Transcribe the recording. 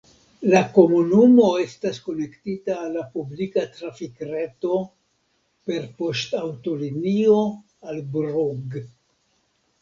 La komunumo estas konektita al la publika trafikreto per poŝtaŭtolinio al Brugg.